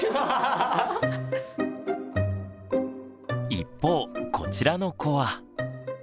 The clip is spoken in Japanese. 一方こちらの子は。